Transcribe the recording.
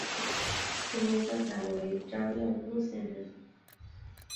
现任校长为张耀忠先生。